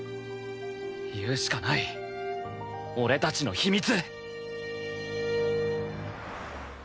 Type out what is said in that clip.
言うしかない俺たちの秘密！